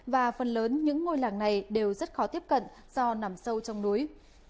và phần lớn những ngôi làng này đều rất khó tiếp cận do nằm sâu trong núi